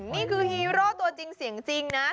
นี่คือฮีโร่ตัวจริงจริงนะ